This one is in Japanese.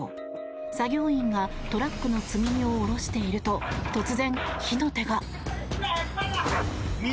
作業員がトラックの積み荷を下ろしていると突然、火の手が。